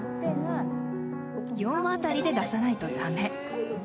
４話あたりで出さないと駄目。